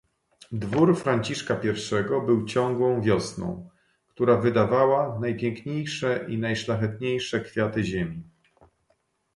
"Dwór Franciszka I-go był ciągłą wiosną, która wydawała najpiękniejsze i najszlachetniejsze kwiaty ziemi."